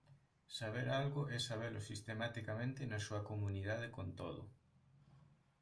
Saber algo é sabelo sistematicamente na súa comunidade con todo.